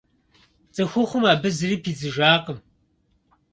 ЦӀыхухъум абы зыри пидзыжакъым.